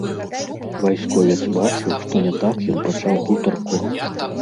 Вайсковец бачыў, што не так ён пачаў гутарку.